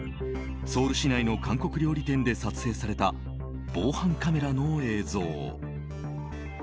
ソウル市内の韓国料理店で撮影された防犯カメラの映像。